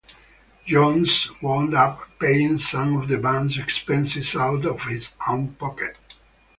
Jones wound up paying some of the band's expenses out of his own pocket.